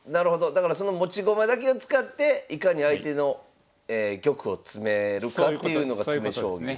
だからその持ち駒だけを使っていかに相手の玉を詰めるかっていうのが詰将棋ですね。